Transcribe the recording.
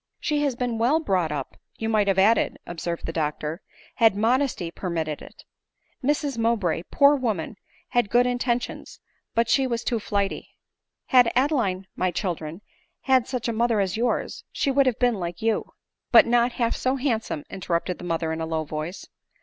" She has been well brought up, you might have ad ded," observed the doctor, " had modesty permitted it. Mrs Mowbray, poor woman, had good intentions ; but she was too flighty. Had Adeline, my children, had such a mother as yours, she would have been like you." " But not half so handsome," interrupted the mother in a low voice.